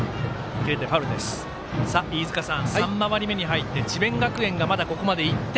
飯塚さん、３回り目に入って智弁学園がまだ、ここまで１点。